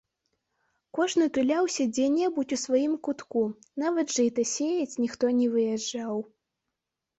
Кожны туляўся дзе-небудзь у сваім кутку, нават жыта сеяць ніхто не выязджаў.